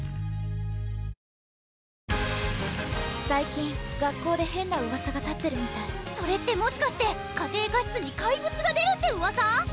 最近学校で変なうわさが立ってるみたいそれってもしかして家庭科室に怪物が出るってうわさ？